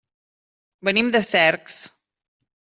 Venim de Cercs.